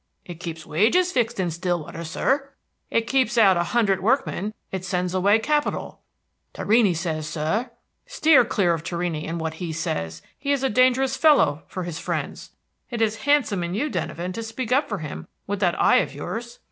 "It keeps wages fixed in Stillwater, sir." "It keeps out a hundred workmen. It sends away capital." "Torrini says, sir" "Steer clear of Torrini and what he says. He's a dangerous fellow for his friends. It is handsome in you, Denyven, to speak up for him with that eye of yours."